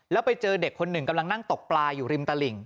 แล้วไปเจอเด็กคนหนึ่งกำลังนั่งตกปลาอยู่ริมตลิ่ง